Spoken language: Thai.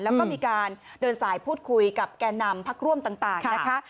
แล้วก็มีการเดินสายพูดคุยกับแก่นำพักร่วมต่างนะคะ